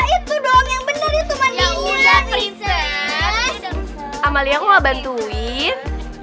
itu dong yang bener itu mandinya prinses amali aku ngebantuin